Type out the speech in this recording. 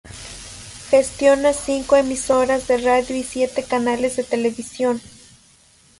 Gestiona cinco emisoras de radio y siete canales de televisión.